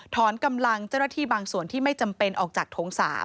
กำลังเจ้าหน้าที่บางส่วนที่ไม่จำเป็นออกจากโถง๓